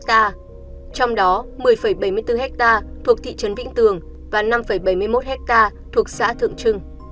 trong đó một mươi bảy mươi bốn ha thuộc thị trấn vĩnh tường và năm bảy mươi một hectare thuộc xã thượng trưng